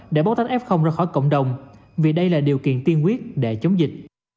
để bó tắt f ra khỏi cộng đồng vì đây là điều kiện tiên quyết để chống dịch